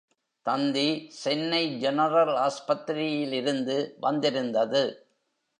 தந்தி Chennai general ஆஸ்பத்திரியிலிருந்து வந்திருந்தது.